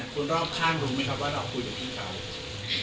คนรอบข้างรู้ไหมครับว่าเราคุยกับพี่เขา